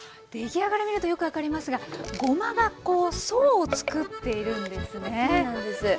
出来上がりを見るとよく分かりますがごまが層を作っているんですね。